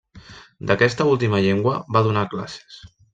D'aquesta última llengua va donar classes.